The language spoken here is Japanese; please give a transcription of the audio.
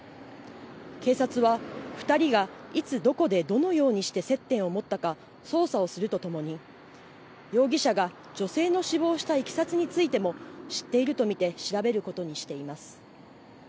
警察は２人がいつどこでどのようにして接点を持ったか捜査をするとともに容疑者が女性の死亡したいきさつについても知っていると見て調べることにしています。